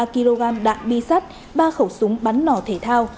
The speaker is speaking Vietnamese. ba kg đạn bi sắt ba khẩu súng bắn nỏ thể thao